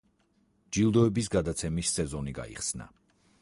ჯილდოების გადაცემის სეზონი გაიხსნა.